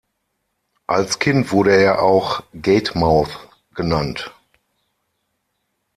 Als Kind wurde er auch "Gate mouth" genannt.